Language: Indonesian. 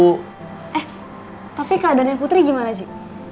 eh tapi keadaannya putri gimana sih